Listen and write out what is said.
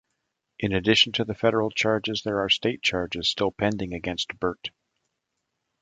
In addition to the federal charges, there are state charges still pending against Burt.